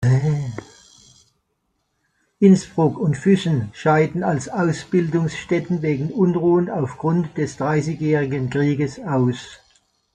Innsbruck und Füssen scheiden als Ausbildungsstätten wegen Unruhen auf Grund des Dreißigjährigen Krieges aus.